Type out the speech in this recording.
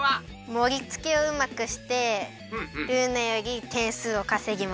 もりつけをうまくしてルーナよりてんすうをかせぎます。